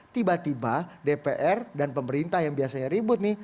tiba tiba dpr dan pemerintah yang biasanya ribut nih